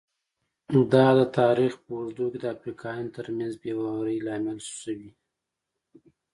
دا د تاریخ په اوږدو کې د افریقایانو ترمنځ بې باورۍ لامل شوي.